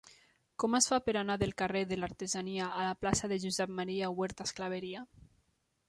Com es fa per anar del carrer de l'Artesania a la plaça de Josep Maria Huertas Claveria?